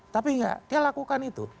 tapi enggak dia lakukan itu